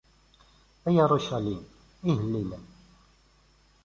A Yarucalim, ihellilen.